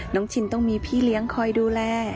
ชินต้องมีพี่เลี้ยงคอยดูแล